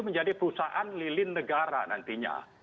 menjadi perusahaan lilin negara nantinya